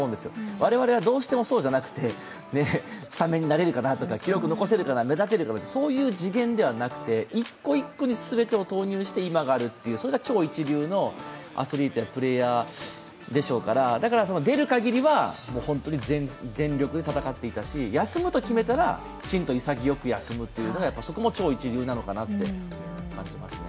我々はどうしてもそうじゃなくて、スタメンになれるかな、記録を残せるかな、目立てるかなと、そういう次元ではなくて一個一個に全てを投入して今があるという、それが超一流のアスリートやプレーヤーでしょうから出る限りは本当に全力で戦っていたし、休むと決めたら、きちんと潔く休むというのがそこも超一流なのかなと感じますね。